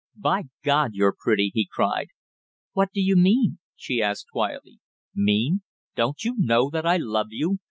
"By God, you're pretty!" he cried. "What do you mean?" she asked quietly. "Mean, don't you know that I love you?